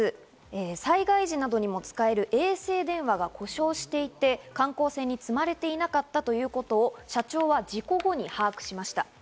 災害時などにも使える衛星電話が故障していて、観光船に積まれていなかったということを社長は事故後に把握しました。